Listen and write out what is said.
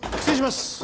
失礼します。